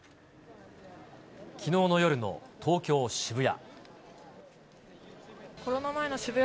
きのうの夜の東京・渋谷。